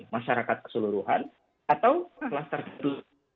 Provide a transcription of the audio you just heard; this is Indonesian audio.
masyarakat keseluruhan atau kelas tertentu